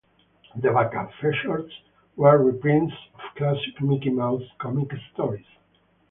The back-up features were reprints of classic Mickey Mouse comic stories.